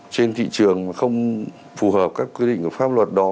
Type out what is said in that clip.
trên thị trường mà không phù hợp các quy định pháp luật đó